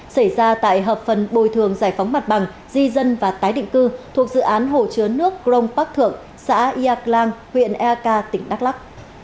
xảy ra tại hợp phần bồi thường giải phóng mặt bằng di dân và tái định cư thuộc dự án hồ chứa nước grong bắc thượng xã yạc lan huyện ea ca tỉnh đắk lắc